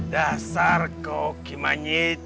dasar kau kimanyit